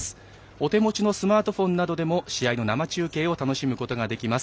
お手持ちのスマートフォンなどでも試合の生中継を楽しむことができます。